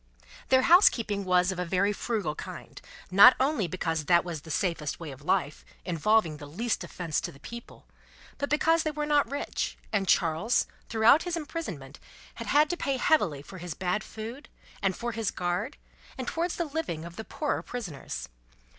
Their housekeeping was of a very frugal kind: not only because that was the safest way of life, involving the least offence to the people, but because they were not rich, and Charles, throughout his imprisonment, had had to pay heavily for his bad food, and for his guard, and towards the living of the poorer prisoners.